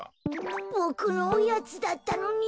ボクのオヤツだったのに。